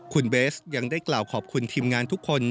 คุณเบสยังได้กล่าวขอบคุณทีมงานทุกคน